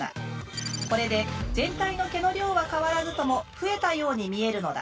これで全体の毛の量は変わらずとも増えたように見えるのだ。